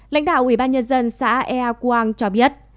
lãnh đạo ủy ban nhân dân xã ea quăng cho biết